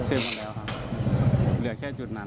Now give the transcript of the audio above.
หมดแล้วครับเหลือแค่จุดนั้น